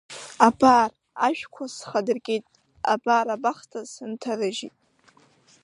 Абар ашәқәа схадыркит, абар абахҭа сынҭарыжьит!